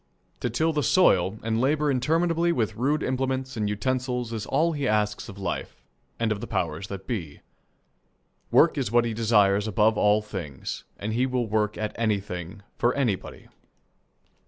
To till the soil and labour interminably with rude implements and utensils is all he asks of life and of the powers that be. Work is what he desires above all things, and he will work at anything for anybody.